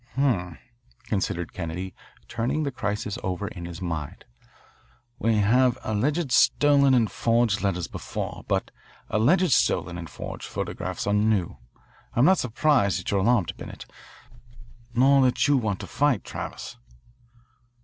"H'm," considered Kennedy, turning the crisis over in his mind. "We've had alleged stolen and forged letters before, but alleged stolen and forged photographs are new. I'm not surprised that you are alarmed, Bennett, nor that you want to fight, Travis."